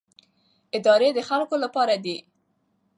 ادارې د خلکو لپاره دي